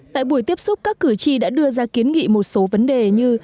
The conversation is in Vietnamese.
tại buổi tiếp xúc các cử tri đã đưa ra kiến nghị một số vấn đề như